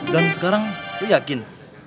dan sekarang lu yakin